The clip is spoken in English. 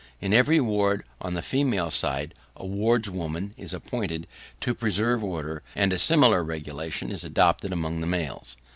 In every ward on the female side, a wardswoman is appointed to preserve order, and a similar regulation is adopted among the males.